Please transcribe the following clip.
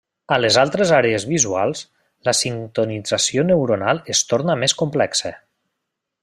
A les altres àrees visuals, la sintonització neuronal es torna més complexa.